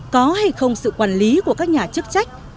có hay không sự quản lý của các nhà chức trách